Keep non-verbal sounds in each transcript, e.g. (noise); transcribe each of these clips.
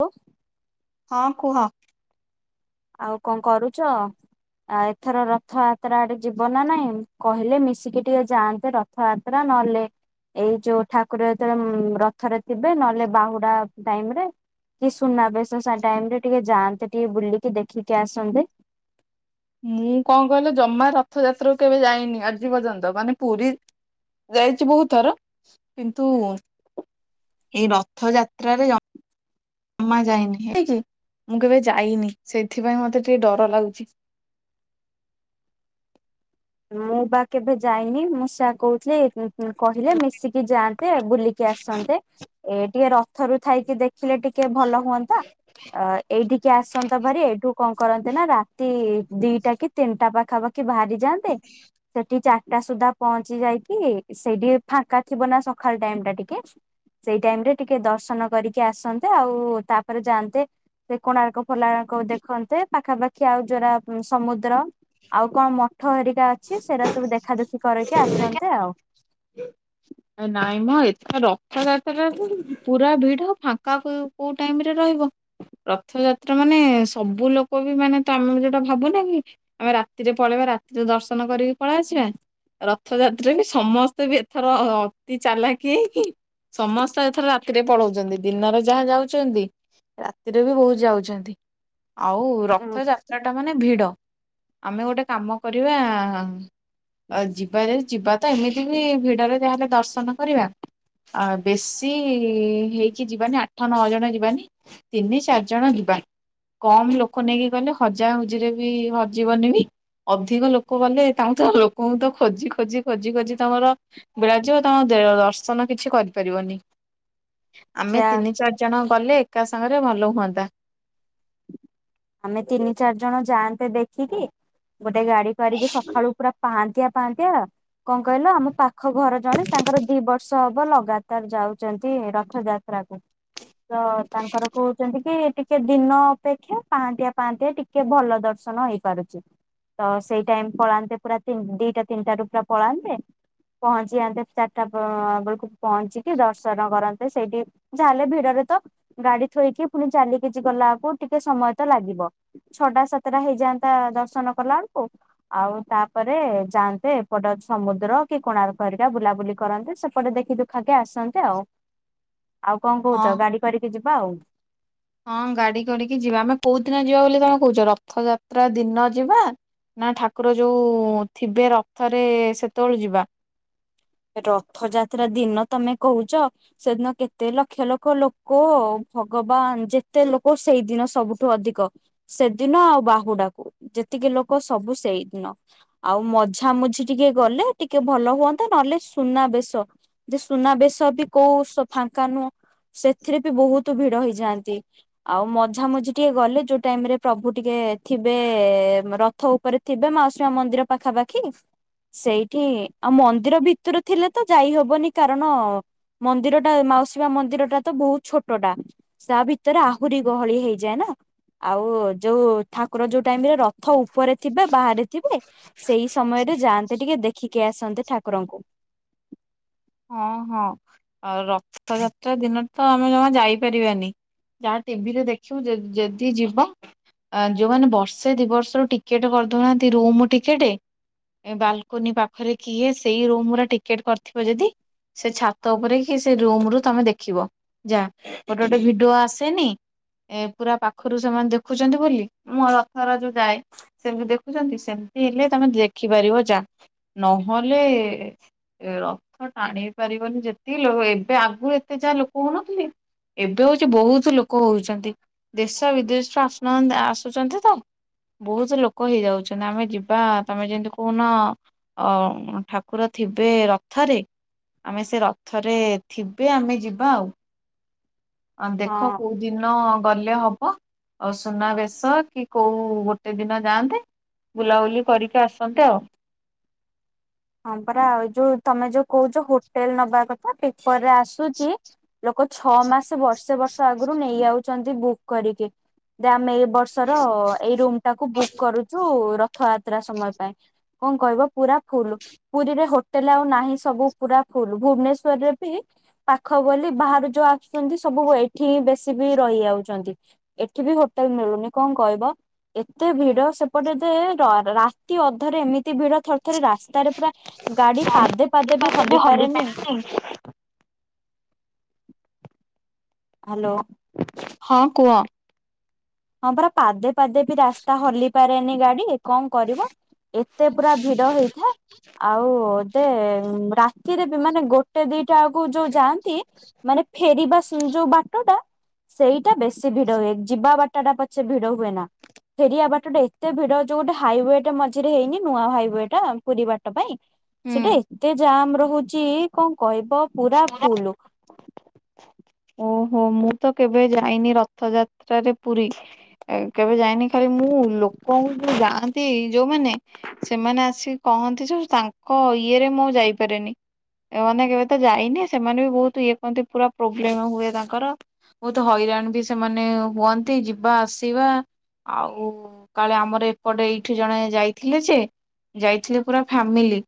ହ ହଁ କୁହ। ଆଉ କଣ କରୁଚ? ଆ ଏଥର ରଥଯାତ୍ରା ଆଡେ ଯିବ ନା ନାଇଁ କହିଲେ ମିଶିକି ଟିକେ ଯାଆନ୍ତେ ର ଥ ଯାତ୍ରା ନହଲେ ଏଇ ଯୋଉ ଠାକୁର ଯେତବେଳେ ଉଁମ୍ ରଥରେ ଥିବେ ନହେଲେ ବାହୁଡା ଟାଇମ ରେ। କି ସୁନାବେଶ ସା ଟାଇମ୍ ରେ ଟିକେ ଯାଆନ୍ତେ ଟିକେ ବୁଲିକି ଦେଖିକି ଆସନ୍ତେ। ମୁଁ କଣ କଇଲ ଜମା ରଥଯାତ୍ରା କୁ କେବେ ଯାଇନି ଆଜି ପର୍ଯ୍ୟନ୍ତ ମାନେ ପୁରୀ ଯାଇଚି ବହୁତ ଥର କିନ୍ତୁ ଏଇ ରଥ ଯାତ୍ରାରେ ଜ ମା ଯାଇନି ହେଇକି ମୁଁ କେବେ ଯାଇନି ସେଥିପାଇଁ ମତେ ଟିକେ ଡର ଲାଗୁଛି। ମୁଁ ବା କେବେ ଯାଇନି ମୁଁ ସେଇଆ କଉଥିଲି। ହୁଁ ହୁଁ କହିଲେ ମିଶିକି ଯାଆନ୍ତେ ବୁଲିକି ଆସନ୍ତେ ଏ ଟିକେ ର ଥରୁ ଥାଇକି ଦେଖିଲେ ଟିକେ ଭଲ ହୁଅନ୍ତା। ଅ ଏଇଠିକି ଆସନ୍ତ ଭାରି ଏଇଠୁ କଣ କରନ୍ତେ ନା ରାତି ଦିଟା କି ତିନିଟା ପାଖାପାଖି ଭାରି ଯାଆନ୍ତେ। ହଜ୍ଞା ସେଠି ଚାରିଟା ସୁଦ୍ଧା ପହଞ୍ଚି ଯାଇକି ସେଇଠି ଫାଙ୍କା ଥିବ ନା ସକାଳ ଟାଇମ ଟା ଟିକେ? ସେଇ ଟାଇମ ରେ ଟିକେ ଦର୍ଶନ କରିକି ଆସନ୍ତେ ଆଉ ତାପରେ ଯାଆନ୍ତେ। ସେଇ କୋଣାର୍କ ଫୋଲାଙ୍କ ଦେଖନ୍ତେ ପାଖାପାଖି ଆଉ ଯୋଉରା ସମୁଦ୍ର ଆଉ କଣ ମଠ ହେରିକା ଅଛି ସେରା ସବୁ ଦେଖାଦୁଖି କରିକି ଆସନ୍ତେ ଆଉ। ନାଇଁ ମ ଏଥର ରଥଯାତ୍ରା ରେ ପୁରା ଭିଡ ଫାଙ୍କା କୋଉ କୋଉ ଟାଇମରେ ରହିବ? ରଥଯାତ୍ରା ମାନେ ସବୁ ଲୋକ ବି ମାନେ ତମେ ଯୋଉଟା ଭାବୁନ କି? ଆମେ ରାତିରେ ପଳେଇବା ରାତିରେ ଦର୍ଶନ କରିକି ପଳେଇ ଆସିବା। ରଥଯାତ୍ରା ବି ସମସ୍ତେ ବି ଏଥର ଅତି ଚାଲାକି ହେଇକି ସମସ୍ତେ ଏଥର ରାତିରେ ପଳଉଚନ୍ତି ଦିନରେ ଯାହା ଯାଉଚନ୍ତି। ରାତିରେ ବି ବହୁତ୍ ଯାଉଚନ୍ତି ଆଉ ରଥ ଯା ତ୍ରା ଟା ମାନେ ଭିଡ ଆମେ ଗୋଟେ କାମ କରିବା ଆଉ ଯିବା ଯଦି ଯିବା ତ ଏମିତି ବି ଭିଡରେ ଯାହା ହେଲେ ଦର୍ଶନ କରିବା। ଆଉ ବେଶୀ ହେଇକି ଯିବାନି ଆଠ ନଅ ଜଣ ଯିବାନି। ତିନି ଚାରି ଜଣ ଯିବା କମ ଲୋକ ନେଇକି କହଲେ ହଜା ହଜିରେ, ବି ହଜିବନି ବି। ଅଧିକ ଲୋକ ଗଲେ, ତାଙ୍କୁ ଲୋକଙ୍କୁ ତ ଖୋଜିଖୋଜି, ଖୋଜିଖୋଜି ତମର ବେଳଯିବ। ଦର୍ଶନ କିଛି କରିପାରିବନି, ଆମେ ସେୟା ତିନି ଚାରି ଜଣ ଗଲେ, ଏକା ସାଙ୍ଗ ରେ ଭଲ ହୁଅନ୍ତା। ଆମେ ତିନି ଚାରି ଜଣ ଯାଆନ୍ତେ ଦେଖିକି, ଗୋଟେ ଗାଡି କରିକି, ସକାଳୁ ପୁରା ପାହାନ୍ତି (inaudible) କଣ କହିଲ, ଆମ ପାଖ ଘର ଜଣେ ତାଙ୍କର ଦି ବର୍ଷ ହବ ଲଗାତାର ଯାଉଛନ୍ତି ରଥଯାତ୍ରା କୁ ତ ତାଙ୍କର କହୁଛନ୍ତି କି, ଟିକେ ଦିନ ଅପେକ୍ଷା ପାନ୍ତିଆ, ପାନ୍ତିଆ ଟିକେ ଭଲ ଦର୍ଶନ ହେଇ ପାରୁଛି। ତ ସେଇ ଟାଇମ ପଳାନ୍ତେ ପୁରା ଦିଟା ତିନିଟାରୁ ପୁରା ପଳାନ୍ତେ ପହଞ୍ଚି ଯାନ୍ତେ, ଚାରିଟା ବେଳକୁ ପହଞ୍ଚିକି, ଦର୍ଶନ କରନ୍ତେ ସେଇଠି ଯାହାେଲେ ଭିଡରେ ତ ଗାଡି ଥୋଇକି, ପୁଣି ଚାଲ କିିଛି ଗଲା ବକୁ ଟିକେ ସମୟ ତ ଲାଗିବ। ଛଅଟା, ସାତଟା ହେଇଯାଆନ୍ତା ଦର୍ଶନ କଲା ବଳକୁ ଆଉ ତାପରେ ଯାଆନ୍ତେ, ଏପଟ ସମୁଦ୍ର କି କୋଣାର୍କ ହେରିକା ବୁଲାବୁଲି କରନ୍ତେ, ସେପଟେ ଦେଖିଦୁଖା (unintelligible) ଆସନ୍ତେ ଆଉ ଆଉ କଣ ହଁ କହୁଛ ଗାଡି କରିକି ଯିବା ଆଉ। ହଁ ଗାଡି କରିକି ଯିବା ଆମେ କୋଉ ଦିନ ଯିବା ବୋଲି ତମେ କହୁଛ? ରଥଯାତ୍ରା ଦିନ ଯିବା? ନା ଠାକୁର ଯୋଉ ଥିବେ ରଥରେ ସେତେବଳେ ଯିବା? ରଥଯାତ୍ରା ଦିନ ତମେ କହୁଛ? ସେଦିନ କେତେ ଲକ୍ଷ, ଲକ୍ଷ ଲୋକ। ଭଗବାନ ଯେତେ ଲୋକ ସେଇ ଦିନ ସବୁଠୁ ଅଧିକ। ସେଦିନ ଆଉ, ବାହୁଡାକୁ ଯେତିକି ଲୋକ ସବୁ ସେଇ ଦିନ। ଆଉ ମଝାମୁଝି ଟିକେ ଗଲେ ଟିକେ ଭଲ ହୁଅନ୍ତା, ନହେଲେ ସୁନା ବେଶ ଯେ ସୁନାବେେଶ ବି କୋଉ ସ ଫାଙ୍କା ନୁହଁ, ସେଥିରେ ବି ବହୁତ ଭିଡ ହେଇଯାନ୍ତି‌। ଆଉ ମଝା ମଝି ଟିକେ ଗଲେ, ଯୋଉ ଟାଇମ୍ ରେ ପ୍ରଭୁ ଟିକେ ଥିବେ ର ରଥ ଉପରେ ଥିବେ ମାଉସୀ ମା ମନ୍ଦିର ପାଖାପାଖି, ସେଇଠି ଆଉ ମନ୍ଦିର ବି (unintelligible) ଥିଲେ ତ ଯାଇ ହବନି କାରଣ ମନ୍ଦିର ଟା ମାଉସୀ ମା ମନ୍ଦିର ଟା ତ ବହୁତ ଛୋଟ ଟା। ତା ଭିତରେ ଆହୁରି ଗହଳି ହେଇଯାଏ ନା। ଆଉ ଯୋଉ ଠାକୁର ଯୋଉ ଟାଇମ୍ ରେ ରଥ ଉପରେ ଥିବେ, ବାହାରେ ଥିବେ ସେଇ ସମୟରେ ଯାଆନ୍ତେ। ଟିକେ ଦେଖିକି ଆସନ୍ତେ ଠାକୁରଙ୍କୁ। ହଁ, ହଁ ଆଉ ରଥଯାତ୍ରା ଦିନ ତ ଆମେ ଜମା ଯାଇପାରିବାନି। ଯାହା ଟିଭିରେ ଦେଖିବୁ ଯ, ଯଦି ଯିବ ଯୋଉମାନେ ବର୍ଷେ, ଦି ବର୍ଷରୁ ଟିକେଟ୍ କରିଦଉନାହାଁନ୍ତି, ରୁମ୍ ଟିକେଟେ ଏ ବାଲକୋନି ପାଖରେ କିଏ ସେଇ ରୁମ ର ଟିକେଟ କରିଥିବ ଯଦି ସେ ଛାତ ଉପରେ କି, ସେ ରୁମ ରୁ ତମେ ଦେଖିବ, ଯା ଗୋଟେ ଗୋଟେ ଭିଡିଓ ଆସେନି ଏ ପୁରା ପାଖରୁ ସେମାନେ ଦେଖୁଛନ୍ତି ବୋଲି, ମୋ ରଥର ଯୋଉ ଯାଏ ସେମିତି ଦେଖୁଛନ୍ତି, ସେମିତି ହେଲେ ତମେ ଦେଖିପାରିବ, ଯା ନହେଲେ ଏ ରଥ ଟାଣି ହେଇ ପାରିବନି, ଯେତିକି ଏବେ ଆଗରୁ ଏତେ ଯାହା ଲୋକ ହଉନଥିଲେ ଏବେ ହଉଚି ବହୁତ ଲୋକ ହଉଚନ୍ତି, ଦେଶ ବିଦେଶରୁୁ ଆସୁନାହା, ଆସୁଚନ୍ତି ତ। ବହୁତ ଲୋକ ହେଇଯାଉଚନ୍ତି, ଆମେ ଯିବା ତମେ ଯେମତି କହୁନ ଅ, ଠାକୁର ଥିବେ ରଥରେ ଆମେ ସେ ରଥରେ ଥିବେ, ଆମେ ଯିବା ଆଉ ହଁ ଦେଖ କୋଉଠି ଦିନ ଗଲେ ହବ। ଆଉ ସୁନା ବେଶ କି କୋଉ ଗୋଟେ ଦିନ ଯାଆନ୍ତେ ବୁଲାବୁଲି କରିକି ଆସନ୍ତେ ଆଉ। ହଁ ପରା ଆଉ ଯୋଉ ତମେ ଯୋଉ କହୁଛ, ହୋଟେଲ ନବା କଥ୍ ପେପରରେ ଆସୁଚି, ଲୋକ ଛଅ ମାସ ବର୍ଷେ ବର୍ଷ ଆଗରୁ ନେଇଯାଉଚି ଯନ୍ତି ବୁକ୍ କରିକି, ଦା ଆମେ ଏଇ ବର୍ଷର ଏଇ ରୁମ୍ ଟାକୁ ବୁକ୍ କରୁଚୁ, ରଥଯାତ୍ରା ସମୟ ପାଇଁ। କଣ କହିବ ପୁରା ଫୁଲୁ। ପୁରୀରେ ହୋଟେଲ ଆଉ ନାହିଁ। ସବୁ ପୁରା ଫୁଲ୍, ଭୁବନେଶ୍ଵରରେ ବି ପାଖ ବୋଲି ବାହାରୁ ଯୋଉ ଆସୁଛନ୍ତି ସବୁ ଏଠି ହିଁ ବେଶୀ ବି ରହିଯାଉଛନ୍ତି। ଏଠି ବି ହୋଟେଲ ମିଳୁନି କଣ କହିବ। ଏତେ ଭିଡ ସେପଟେ ଯେ ର ରାତି ଅଧରେ ଏମିତି ଭିଡ ଥରେ ଥରେ ରାସ୍ତା। ପୁରା ଗାଡି ପାଦେ ପାଦେ ବି ହଲି ପାରେନି‌। ଉଁ। ହାଲୋ। ହଁ କୁଅ। ହଁ ପରା ପାଦେ ପାଦେ ବି ରାସ୍ତା ହଲି ପାରେନି ଗାଡି। କଣ କରିବ ଏତେ ପୁରା ଭିଡ ହେଇଥାଏ ଆଉ ତେ ରା ତିରେ ବି ମାନେ ଗୋଟେ ଦିଟା ଆଳକୁ ଯୋଉ ଯାଆନ୍ତି ମାନେ ଫେରିବା ଯୋଉ ବାଟଟା ସେଇଟା ବେଶୀ ଭିଡ ହୁଏ ଯିବା ବାଟା ଟା ପଛେ ଭିଡ ହୁଏ ନା। ଫେରିବା ବାଟଟା ଏତେ ଭିଡ ଯୋଉ ଗୋଟେ ହାଇୱେ ଟେ ମଝିରେ ହେଇନି ନୂଆ ହାଇୱେ ଟା ପୁରୀ ବାଟ ପାଇଁ। ହୁଁ ସେଟା ଏତେ ଜାମ୍ ରହୁଚି କଣ କହିବ ପୁରା ଫୁଲୁ। ଓହୋ ମୁଁ ତ କେବେ ଯାଇନି ରଥଯାତ୍ରାରେ ପୁରୀ। ଏଇ କେବେ ଯାଇନି ଖାଲି ମୁଁ ଲୋକଙ୍କୁ ଯୋଉ ଯାଆନ୍ତି ଯୋଉ ମାନେ। ସେମାନେ ଆସିକି କହନ୍ତି ଯେ ତାଙ୍କ ଇଏରେ ମୁଁ ଯାଇପାରେନି। ଏ ମାନେ କେବେ ତ ଯାଇନି ସେମାନେ ବି ବହୁତ ଇଏ କରନ୍ତି ପୁରା ପ୍ରୋବ୍ଲେମ ହୁଏ ତାଙ୍କର। ବହୁତ ହଇରାଣ ବି ସେମାନେ ହୁଅନ୍ତି ଯିବା ଆସିବା। ଆଉ କାଳେ ଆମର ଏପଟେ ଏଇଠି ଜଣେ ଯାଇଥିଲେ ଯେ। ଯାଇଥିଲେ ପୁରା ଫାମିଲି।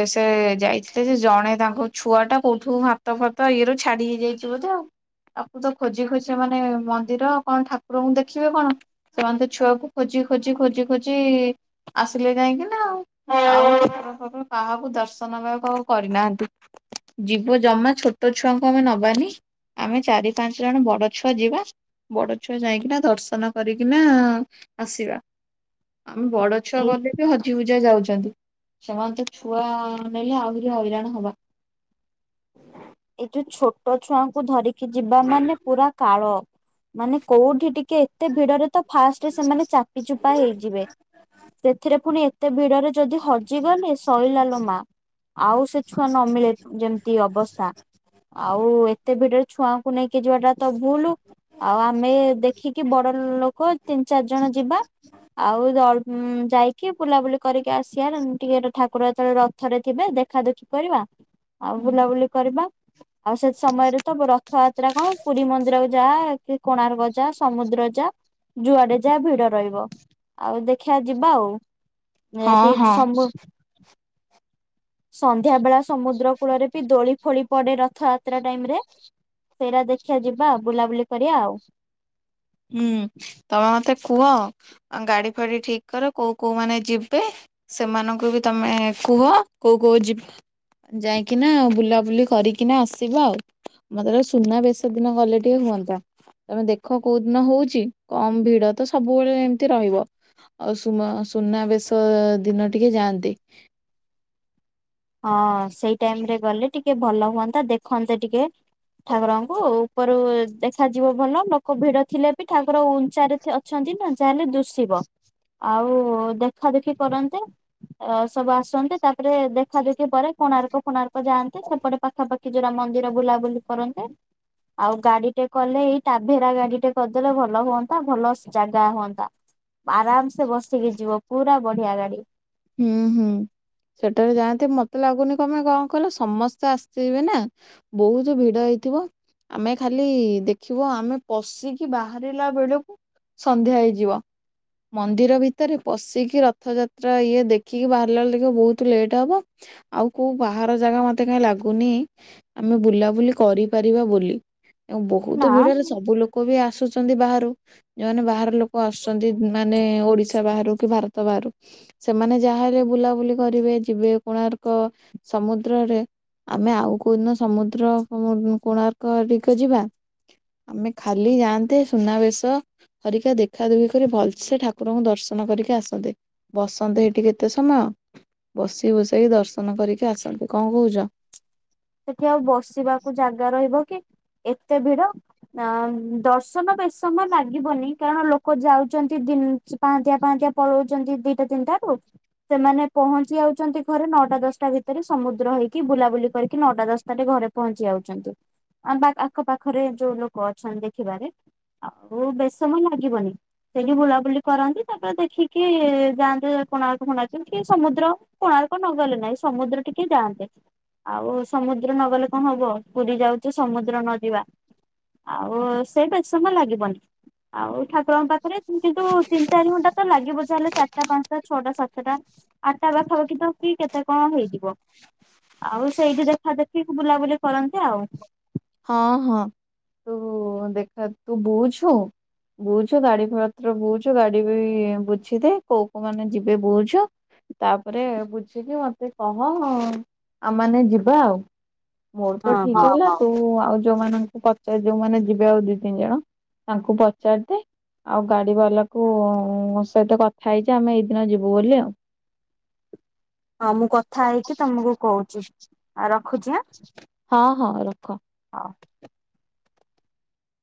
ଏ ସେ ଯାଇଥିଲେ ଯେ ଜଣେ ତାଙ୍କ ଛୁଆ ଟା କୋଉଠୁ ହାତ ଫାତ ଇଏ ରୁ ଛାଡି ହେଇଯାଇଛି। ବୋଧେ ଆଉ ଆକୁ ତ ଖୋଜି ଖୋଜି ସେମାନେ ମନ୍ଦିର କଣ ଠାକୁରଙ୍କୁ ଦେଖିବେ କଣ। ସେମାନେ ତ ଛୁଆକୁ ଖୋଜି ଖୋଜି ଖୋଜି ଖୋଜି। ଆସିଲେ ଯାଇଁ କିନା ଆଉ ଆଉ ଠାକୁର ଫାକୁର କାହାକୁ ଦର୍ଶନ ବି ଆଉ କାହାକୁ କରିନାହାନ୍ତି। ଯିବ ଜମା ଛୋଟ ଛୁଆଙ୍କୁ ଆମେ ନବାନି। ଆମେ ଚାରି ପାଞ୍ଚ ଜଣ ବଡ଼ ଛୁଆ ଯିବା। ବଡ ଛୁଆ ଯାଇକିନା ଦର୍ଶନ କରିକିନା ଆସିବା ଆମେ ବଡ ଛୁଆ ଏଇ ଗଲେ ବି ହଜି ହୁଜା ଯାଉଛନ୍ତି ସେମାନେ ତ ଛୁଆ ନେଲେ ଆହୁରି ହଇରାଣ ହବା। ଏଇ ଯୋଉ ଛୋଟ ଛୁଆଙ୍କୁ ଧରିକି ଯିବା ମାନେ ପୁରା କାଳ ମାନେ କୋଉଠି ଟି କେ କି ଏତେ ଭିଡରେ ତ ଫାଷ୍ଟରେ ସେମାନେ ଚାପିଚୁପା ହେଇଯିବେ ସେଥିରେ ପୁଣି ଏ କେ ତେ ଭିଡରେ ଯଦି ହଜିଗଲେ ସଇଲା ଲୋ ମା। ଆଉ ସେ ଛୁଆ ନ ମିିଳେ ଯେମତି ଅବସ୍ଥା। ଆଉ ଏତେ ଭିଡରେ ଛୁଆଁ ଙ୍କୁ ନେଇକି ଯିବାଟା ତ ଭୁଲୁ ଆଉ ଆମେ ଦେଖିକି ବଡ ଲୋକ। ତିନି ଚାରି ଜଣ ଯିବା ଆଉ ଯା ହୁଁ ଯାଇକି ବୁଲାବୁଲି କରିକି ଆସିବା ଟିକେ ଠାକୁର ଯେତେବେଳେ ରଥରେ ଥିବେ ଦେଖା ଦୁଖି କରିବା। ଆଉ ବୁଲାବୁଲି କରିବା। ଆଉ ସେ ସମୟରେ ତ ରଥଯାତ୍ରା କଣ ପୁରୀ ମନ୍ଦିର ଯା କି କୋଣାର୍କ ଯା ସମୁଦ୍ର ଯା। ଯୁଆଡେ ଯା ଭିଡ ରହିବ ଆଉ ଦେଖିଆ ଯିବା ଆଉ। ହଁ ନେଟ ହଁ ହେଇଛି ସମ୍ବୁ। ସନ୍ଧ୍ୟା ବେଳା ସମୁଦ୍ର କୂଳରେ ବି ଦୋଳି ଫୋଳି ‌। ପଡେ ରଥଯାତ୍ରା ଟାଇମ ରେ ସେଇଟା ଦେଖିଆ ଯିବା ବୁଲାବୁଲି କରିଆ ଆଉ। ହୁଁ ତମେ ମତେ କୁହ ଗାଡି ଫାଡି ଠିକ କର କୋଉ କୋଉ ମାନେ ଯିବେ। ସେମାନଙ୍କୁ ବି ତମେ କୁହ କୋଉ କୋଉ ଯି ଯାଇକିନା ବୁଲାବୁଲି କରିକି କିନା ଆସିବା ଆଉ ମତେ ତ ସୁନା ବେଶ ଦିନ ଗଲେ ଟିକେ ହୁଅନ୍ତା ତମେ ଦେଖ। କୋଉ ଦିନ ହଉଛି କମ ଭିଡ ତ ସବୁବେଳେ ଏମତି ରହିବ। ଆଉ ସୁମ ସୁନାବେଶ ଦିନ ଟିକେ ଯାଆନ୍ତି। ହଁ ସେଇ ଟାଇମ ରେ ଗଲେ ଟିକେ ଭଲ ହୁଅନ୍ତା ଦେଖନ୍ତେ ଟିକେ। ଠାକୁରଙ୍କୁ ଉପରୁ ଦେଖାଯିବ ଭଲ ଲୋକ ଭିଡ ଥିଲେ ବି ଠାକୁର ଉଞ୍ଚାରେ ଥେ ଛନ୍ତି ନା ଜାହେଲେ ଦୂଷିବ। ଆଉ ଦେଖାଦେଖି କରନ୍ତେ ସବୁ ଆସନ୍ତେ ତାପରେ ଦେ ଦେଖା ଦେଖି ପରେ କୋଣାର୍କ ଫୋଣାର୍କ ଯାଆନ୍ତେ ସେପଟେ ପାଖାପାଖି ଯୋରା ମନ୍ଦିର ବୁଲାବୁଲି କରନ୍ତେ।। ଆଉ ଗାଡି ଟେ କଲେ ଏଇ ଟାଭେରା ଗାଡି ଟେ କରିଦେଲେ ଭଲ ହୁଅନ୍ତା ଭଲ ଜାଗା ହୁଅନ୍ତା। ଆରାମସେ ବସିକି ଯିବ ପୁରା ବଢିଆ ଗାଡି। ହୁଁ ହୁଁ। ସେଠାରେ ଯାଆନ୍ତି ମତେ ଲାଗୁନି କଣ ପାଇଁ କଣ କଇଲ ସମସ୍ତେ ଆସିଥିବେ ନା। ବହୁତ ଭିଡ ହେଇଥିବ। ଆମେ ଖାଲି ଦେଖିବୁ ଆମେ ପଶିକି ବାହାରିଲା ବେଳକୁ ସନ୍ଧ୍ୟା ହେଇଯିବ ମନ୍ଦିର ଭିତରେ ପଶିକି ରଥଯାତ୍ରା ର ଇଏ ଦେଖିକି ବାହାରିଲା ବେଳେ ଦେଖିବ ବହୁତ ଲେଟ୍ ହବ। ଆଉ କୋଉ ବାହାର ଜାଗା ମତେ କାଇଁ ଲାଗୁନି ଆମେ ବୁଲାବୁଲି କରିପାରିବା ବୋଲି। ତ ବହୁତ ନା ଭିଡରେ ସବୁ ଲୋକ ବି ଆସୁଛନ୍ତି ବାହାରୁ ଯୋଉମାନେ ବାହାର ଲୋ ଲୋକ ଆସୁଛନ୍ତି ମାନେ ଓଡିଶା ବାହାରୁ କି ଭାରତ ବାହାରୁ ସେମାନେ ଯାହାହେଲେ ବୁଲାବୁଲି କରିବେ ଯିବେ କୋଣାର୍କ ସମୁଦ୍ରରେ ଆମେ ଆଉ କୋଉଦିନ ସମୁଦ୍ର କୋଣାର୍କ ଟିକେ ଯିବା। ଆମେ ଖାଲି ଯାଆନ୍ତେ ସୁନାବେଶ ହରିକା ଦେଖା ଦୁଖି କରି ଭଲ ସେ ଠାକୁରଙ୍କୁ ଦର୍ଶନ କରିକି ଆସନ୍ତେ। ବସନ୍ତେ ହେଠି କେତେ ସମୟ, ବସି ବୁସାକି ଦର୍ଶନ କରିକି ଆସନ୍ତେ କଣ କହୁଛ? ସେଠି ଆଉ ବସିବାକୁ ଜାଗା ରହିବ କି ଏତେ ଭିଡ। ଅ ଦର୍ଶନ ବେଶ ସମୟ ଲାଗିବନି କାରଣ ଲୋକ ଯାଉଛନ୍ତି ଦିନ ପାଁ ତିଆ ପାଁ ତିଆ ପଳଉଛନ୍ତି ଦିଟା ତିନିଟା ରୁ ସେମାନେ ପହଞ୍ଚି ଯାଉଛନ୍ତି ଘରେ ନଅଟା ଦଶଟା ଭିତରେ ସମୁଦ୍ର ହେଇକି ବୁଲାବୁଲି କରିିକ କି ନଅଟା ଦଶଟାରେ ଘରେ ପହଞ୍ଚି ଯାଉଛନ୍ତି। ଆମ ବା ଆଖ ପାାଖରେ ଯୋଉ ଲୋକ ଅଛନ୍ତି ଦେଖିବାରେ ଆଉ ବେଶ ସମୟ ଲାଗିବନି। ସେଇଠି ବୁଲାବୁଲି କରନ୍ତି ତାପରେ ଦେଖିକି ଯାଆନ୍ତେ କୋଣାର୍କ ଫୋନାର୍କ କି ସମୁଦ୍ର କୋଣାର୍କ ନ ଗଲେ ନାଇଁ ସମୁଦ୍ର ଟିକେ ଯାଆନ୍ତେ ଆଉ ସମୁଦ୍ର ନ ଗଲେ କଣ ହବ ପୁରୀ ଯାଉଚେ ସମୁଦ୍ର ନ ଯିବା। ଆଉ ସେଇ ବେଶି ସମୟ ଲାଗିବନି ଆଉ ଠା ଠାକୁରଙ୍କ ପାଖରେ କିନ୍ତୁ ତିନି ଚାରି ଘଣ୍ଟା ତ ଲାଗିବ ଚା ହେଲେ ଚାରିଟା ପାଞ୍ଚଟା ଛଅଟା ସାତଟା ଆଠଟା ପାଖାପାଖି ତ କି କେତେ କଣ ହେଇଯିବ ଆଉ ସେଇଠି ଦେଖ ଦେଖିକି ବୁଲାବୁଲି କରନ୍ତେ ଆଉ। ହଁ ହଁ ତୁ ଦେଖା ତୁ ବୁଝୁ। ବୁଝୁ ଗାଡି ଫତ୍ର ବୁଝୁ ଗାଡି ବି ବୁଝିଦେ କୋଉ କୋଉ ମାନେ ଯିବେ ବୁଝୁ। ତାପରେ ବୁଝିକି ମତେ କହ ଆମମାନେ ଯିବା ଆଉ। ମୋର ତ ହଁ ଠିକ୍ ହଁ ହେଲା। ତୁ ଆଉ ଯୋଉମାନଙ୍କୁ ପଚାର ଯୋଉମାନେ ଯିବେ ଆଉ ଦିଇ ତିନି ଜଣ ତାଙ୍କୁ ପଚାରିଦେ ଆଉ ଗାଡି ବାଲାକୁ ସହିତ କଥା ହେଇଯା ଆମେ ଏଇଦିନ ଯିବୁ ବୋଲି ଆଉ। ହଉ ମୁଁ କଥା ହେଇକି ତମକୁ କହୁଛି ଆଉ ରଖୁଛି ଆଁ। ହଁ ହଁ ରଖ। ହଁ।